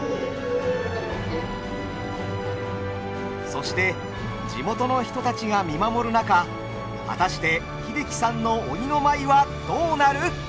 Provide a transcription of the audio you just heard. そして地元の人たちが見守る中果たして英樹さんの鬼の舞はどうなる！？